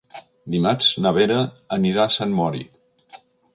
Dimarts na Vera anirà a Sant Mori.